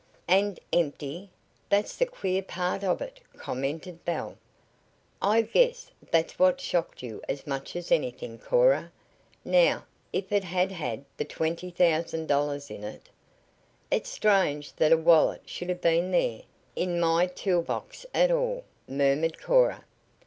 "And empty that's the queer part of it," commented Belle. "I guess that's what shocked you as much as anything, Cora. Now, if it had had the twenty thousand dollars in it " "It's strange that the wallet should have been there in my tool box at all," murmured Cora.